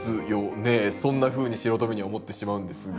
そんなふうに素人目には思ってしまうんですが。